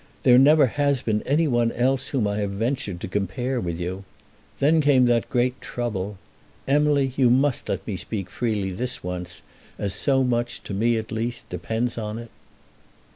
There never has been any one else whom I have ventured to compare with you. Then came that great trouble. Emily, you must let me speak freely this once, as so much, to me at least, depends on it."